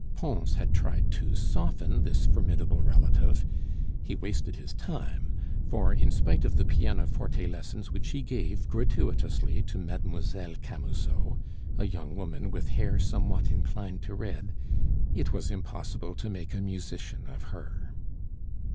Pons had tried to soften this formidable relative; he wasted his time; for in spite of the pianoforte lessons which he gave gratuitously to Mlle. Camusot, a young woman with hair somewhat inclined to red, it was impossible to make a musician of her.